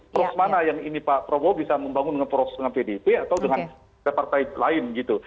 poros mana yang ini pak prabowo bisa membangun dengan poros dengan pdip atau dengan partai lain gitu